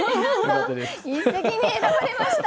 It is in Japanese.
一席に選ばれました！